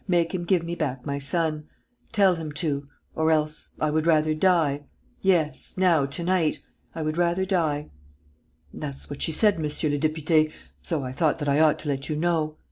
Make him give me back my son. Tell him to ... or else I would rather die.... Yes, now, to night.... I would rather die.' That's what she said, monsieur le député.... So I thought that I ought to let you know.